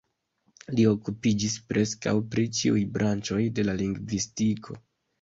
Li okupiĝis preskaŭ pri ĉiuj branĉoj de la lingvistiko.